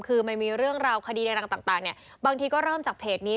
คือมันมีเรื่องราวคดีใดต่างเนี่ยบางทีก็เริ่มจากเพจนี้